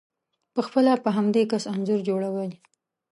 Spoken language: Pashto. په خپله په همدې کس انځور جوړوئ،